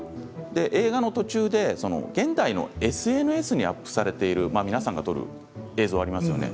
映画の途中で現代のＳＮＳにアップされている皆さんが撮る映像がありますよね